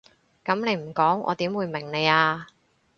噉你唔講我點會明你啊？